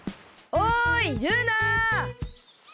おいルーナ！